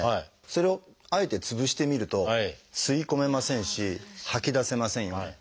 それをあえて潰してみると吸い込めませんし吐き出せませんよね。